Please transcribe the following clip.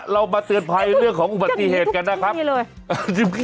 เรามาเตือนภัยเรื่องของอุปกรณ์ที่เหตุกันนะครับอย่างบ้างอย่างนี้เลย